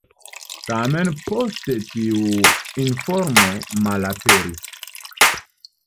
Tamen poste tiu informo malaperis.